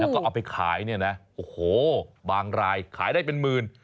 แล้วก็เอาไปขายเนี่ยนะโอ้โหบางรายขายได้เป็นหมื่น